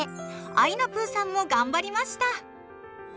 あいなぷぅさんも頑張りました！